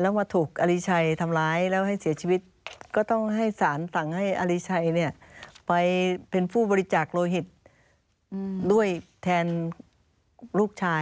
แล้วมาถูกอริชัยทำร้ายแล้วให้เสียชีวิตก็ต้องให้สารสั่งให้อริชัยไปเป็นผู้บริจาคโลหิตด้วยแทนลูกชาย